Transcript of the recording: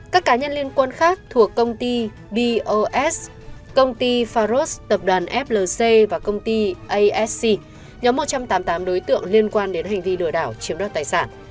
các cá nhân liên quan khác thuộc công ty bos công ty faros tập đoàn flc và công ty asc nhóm một trăm tám mươi tám đối tượng liên quan đến hành vi lừa đảo chiếm đoạt tài sản